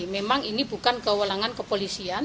memang ini bukan kewenangan kepolisian